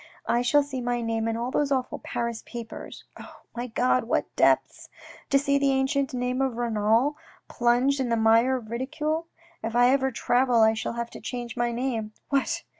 I shall see my name in all those awful Paris papers. Oh, my God, what depths. To see the ancient name of Renal plunged in the mire of ridicule. If I ever travel I shall have to change my name. What